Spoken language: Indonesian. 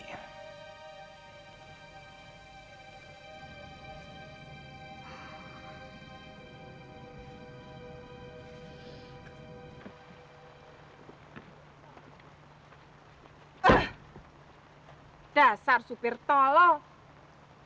katanya ini bagaimana